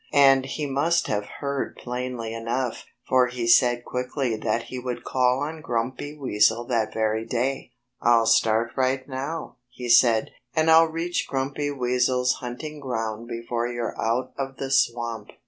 And he must have heard plainly enough, for he said quickly that he would call on Grumpy Weasel that very day. "I'll start right now," he said, "and I'll reach Grumpy Weasel's hunting ground before you're out of the swamp."